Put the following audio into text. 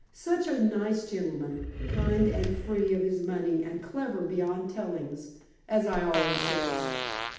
Such a nice gentleman, kind, and free of his money and clever beyond tellings, as I always says.